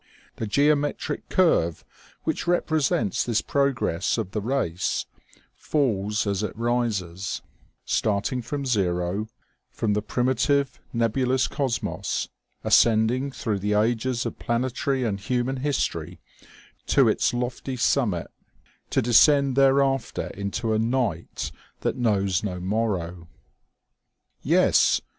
The geometric curve which repre sents this progress of the race, falls as it rises : starting from zero, from the primitive nebulous cosmos, ascending through the ages of planetary and human history to its lofty summit, to descend thereafter into a night that knows no morrow. Yes